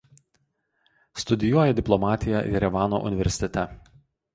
Studijuoja diplomatiją Jerevano universitete.